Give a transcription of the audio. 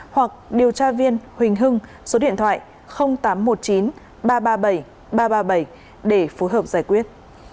hoặc điều tra viên huỳnh hưng số điện thoại tám trăm một mươi chín ba trăm ba mươi bảy ba trăm ba mươi bảy để phối hợp giải quyết